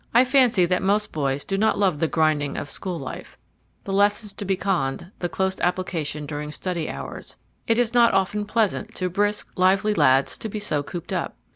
I fancy that most boys do not love the grinding of school life the lessons to be conned, the close application during study hours. It is not often pleasant to brisk, lively lads to be so cooped up.